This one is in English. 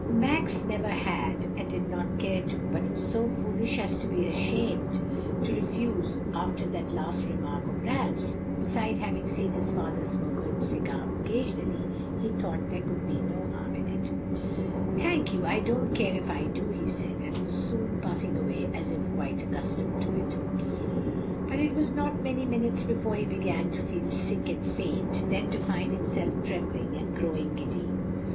Max never had, and did not care to, but was so foolish as to be ashamed to refuse after that last remark of Ralph's; beside having seen his father smoke a cigar occasionally, he thought there could be no harm in it. "Thank you, I don't care if I do," he said, and was soon puffing away as if quite accustomed to it. But it was not many minutes before he began to feel sick and faint, then to find himself trembling and growing giddy.